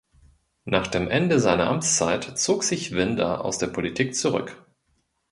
Nach dem Ende seiner Amtszeit zog sich Winder aus der Politik zurück.